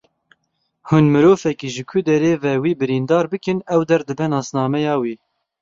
Hûn mirovekî ji ku derê ve wî birîndar bikin, ew der dibe nasnameya wî.